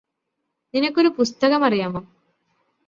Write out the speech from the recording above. നിനക്ക് ഈ പുസ്തകം അറിയാമോ